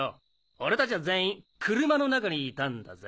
俺達は全員車の中にいたんだぜ？